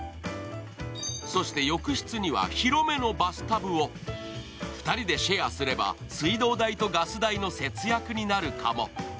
そして、浴室には広めのバスタブを２人でシェアすれば、水道代とガス代の節約になるかも。